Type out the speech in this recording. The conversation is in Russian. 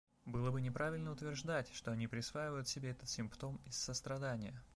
Было бы неправильно утверждать, что они присваивают себе этот симптом из сострадания.